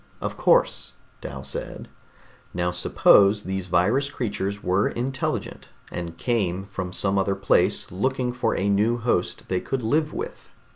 "Of course," Dal said. "Now suppose these virus creatures were intelligent, and came from some other place looking for a new host they could live with.